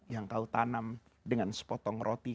yang kau tanam dengan sepotong roti